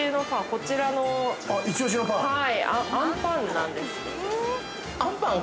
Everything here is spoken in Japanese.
こちらのあんパンなんですけど。